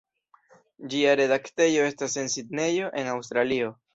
Ĝia redaktejo estas en Sidnejo, en Aŭstralio.